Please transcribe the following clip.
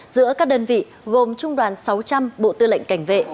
giữa các đơn vị gồm trung đoàn sáu trăm linh bộ tư lệnh cảnh vệ